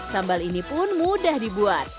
sambal ini pun mudah dibuat